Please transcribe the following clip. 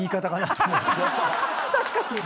確かに。